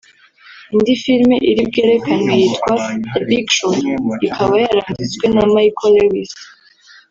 Indi film iri bwerekanwe yitwa ‘The Big Short’ ikaba yaranditswe na Michael Lewis